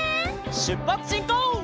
しゅっぱつしんこう！